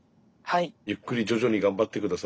ゆっくり徐々に頑張って下さい。